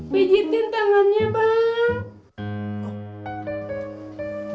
pijetin tangannya bang